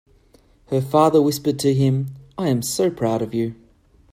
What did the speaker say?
Her father whispered to him, "I am so proud of you!"